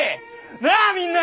なあみんな！